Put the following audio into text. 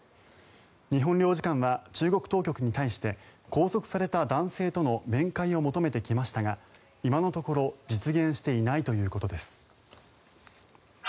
日本領事館は中国当局に対して拘束された男性との面会を求めてきましたが今のところ実現していないということです。